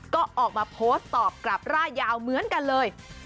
ก็ออกมาโพสต์ตอบกลับร่ายยาวเหมือนกันเลย